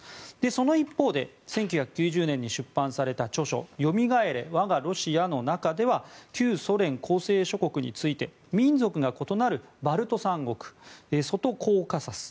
その一方で１９９０年に出版された著書「甦れ、わがロシアよ」の中では旧ソ連構成諸国について民族が異なるバルト三国外コーカサス